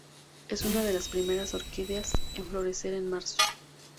Es una de las primeras orquídeas en florecer en marzo.